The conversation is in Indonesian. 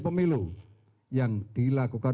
pemilu yang dilakukan